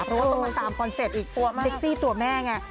เพราะว่าต้องมาตามคอนเซตอีกตัวใบเตยตัวแม่ไง